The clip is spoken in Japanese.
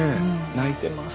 泣いてます。